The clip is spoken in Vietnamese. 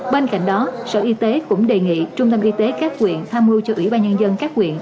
bên cạnh đó sở y tế cũng đề nghị trung tâm y tế các quyện tham mưu cho ủy ban nhân dân các quyện